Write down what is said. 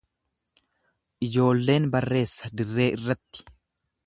Ijoolleen barreessa dirree irratti.